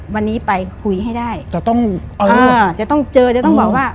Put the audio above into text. วันนี้ไปคุยให้ได้จะต้องอ่าจะต้องเจอจะต้องบอกว่า